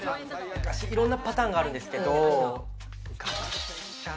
いろんなパターンがあるんですけれども。